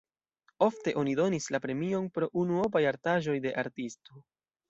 Ofte oni donis la premion pro unuopaj artaĵoj de artisto.